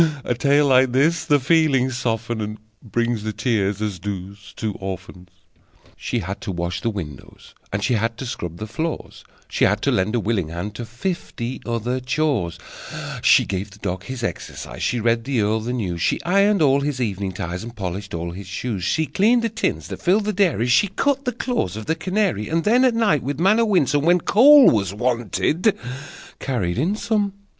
A tale like this the feelings softens, And brings the tears, as does "Two Orphans.") She had to wash the windows, and She had to scrub the floors, She had to lend a willing hand To fifty other chores: She gave the dog his exercise, She read the earl the news, She ironed all his evening ties, And polished all his shoes, She cleaned the tins that filled the dairy, She cut the claws of the canary, And then, at night, with manner winsome, When coal was wanted, carried in some!